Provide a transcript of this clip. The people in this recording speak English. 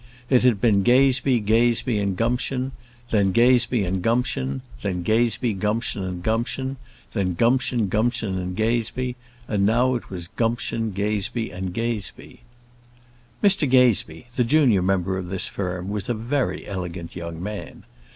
It had been Gazebee, Gazebee & Gumption; then Gazebee & Gumption; then Gazebee, Gumption & Gumption; then Gumption, Gumption & Gazebee; and now it was Gumption, Gazebee & Gazebee. Mr Gazebee, the junior member of this firm, was a very elegant young man.